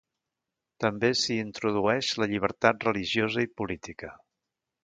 També s'hi introdueix la llibertat religiosa i política.